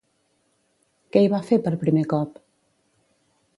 Què hi va fer per primer cop?